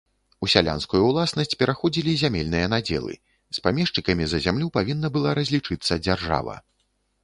У сялянскую ўласнасць пераходзілі зямельныя надзелы, з памешчыкамі за зямлю павінна была разлічыцца дзяржава.